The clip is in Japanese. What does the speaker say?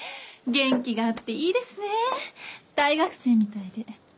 元気があっていいですね大学生みたいで。